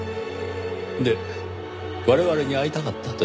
で我々に会いたかったというのは？